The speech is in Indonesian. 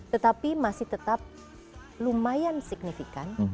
tetapi masih tetap lumayan signifikan